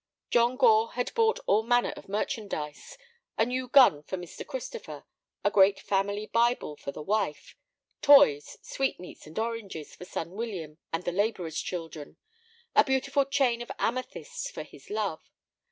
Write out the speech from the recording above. John Gore had bought all manner of merchandise: a new gun for Mr. Christopher; a great family Bible for the wife; toys, sweetmeats, and oranges for son William and the laborers' children; a beautiful chain of amethysts for his love.